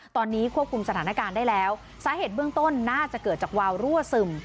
ตอนนี้ควบคุมสถานการณ์ได้แล้วสาเหตุเบื้องต้นน่าจะเกิดจากวาวรั่วซึม